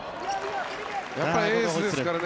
やっぱりエースですからね。